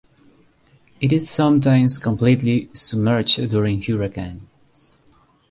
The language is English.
It is sometimes completely submerged during hurricanes.